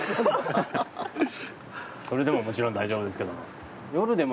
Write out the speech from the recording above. それでももちろん大丈夫ですけども。